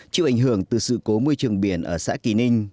chịu ảnh hưởng từ sự cố môi trường biển ở xã kỳ ninh